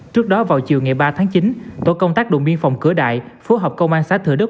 trước đó vào chiều ngày ba tháng chín tổ công tác đồn biên phòng cửa đại phối hợp công an xã thừa đức